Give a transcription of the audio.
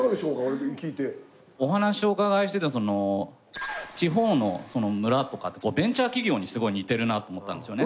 お話をお伺いしてて地方の村とかベンチャー企業にすごい似てるなと思ったんですよね。